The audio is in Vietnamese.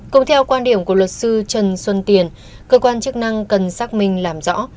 cũng theo quan điểm của luật sư trần xuân tiền cơ quan chức năng cần xác minh làm rõ